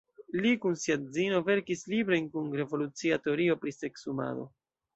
Li kun sia edzino verkis librojn kun revolucia teorio pri seksumado.